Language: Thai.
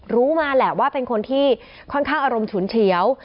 รู้มาแหละว่าเป็นคนที่ค่อนข้างอารมณ์ฉุนเฉียว